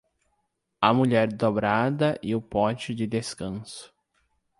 A mulher dobrada e o pote de descanso.